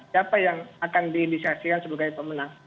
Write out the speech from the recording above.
siapa yang akan diinisiasikan sebagai pemenang